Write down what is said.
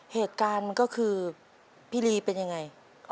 เหตุการณ์ก็คือพี่ลีเป็นยังไง